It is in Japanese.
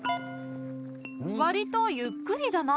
［わりとゆっくりだな。